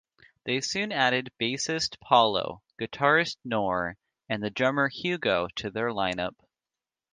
They soon added bassist Paulo, guitarist Nor and drummer Hugo to their line-up.